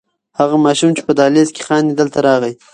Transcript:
هغه ماشوم چې په دهلېز کې خاندي دلته راغی.